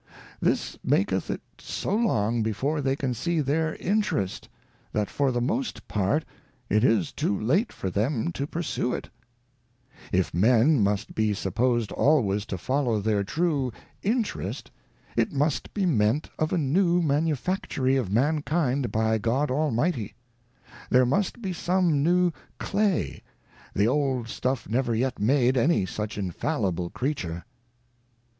This maketh it so long before they can see their Interest, that for the most part it is too late for them to pursue it : If Men must be supposed always to follow their true Interest, it must be meant of a New Manufactory of Mankind by God Almighty ; there must be some new Clay, the old Stuff never yet made any such infallible Creature.'